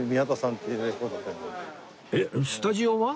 えっスタジオは？